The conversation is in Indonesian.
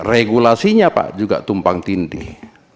regulasinya pak juga tumpang tindih